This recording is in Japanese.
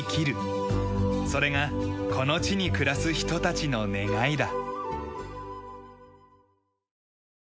それがこの地に暮らす人たちの願いだ。